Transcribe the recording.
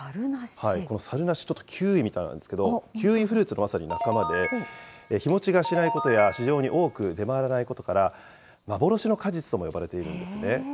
このサルナシ、ちょっとキウイみたいなんですけど、キウイフルーツのまさに仲間で、日持ちがしないことや、市場に多く出回らないことから、幻の果実とも呼ばれているんですね。